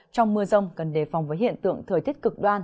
trong mưa rông cần đề phòng với hiện tượng thời tiết cực đoan